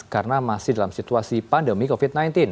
karena masih dalam situasi pandemi covid sembilan belas